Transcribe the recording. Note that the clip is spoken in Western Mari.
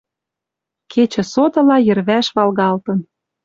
Кечӹ сотыла йӹрвӓш валгалтын